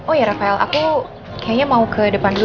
oh ya rafael aku kayaknya mau ke depan dulu